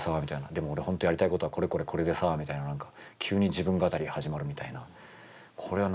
「でも俺本当はやりたいことはこれこれこれでさ」みたいな何か急に自分語り始まるみたいな。これは何が起きてんだろう